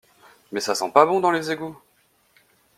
Mais ça sent pas bon dans les égoûts!